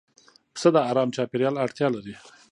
پسه د آرام چاپېریال اړتیا لري.